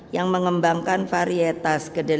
yang mengembangkan varietas kedelai